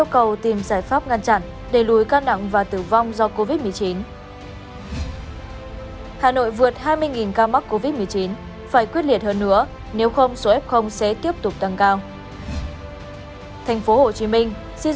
các bạn hãy đăng ký kênh để ủng hộ kênh của chúng mình nhé